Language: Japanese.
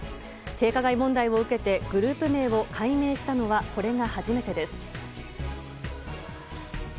性加害問題を受けてグループ名を改名したのがこれが初めてです。